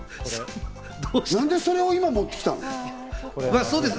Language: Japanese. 何で、それを今、持って来たの？そうです。